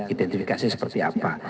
identifikasi seperti apa